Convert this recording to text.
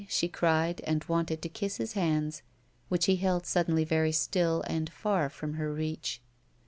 she cried, and wanted to kiss his hands, which he held suddenly very still and far from her reach.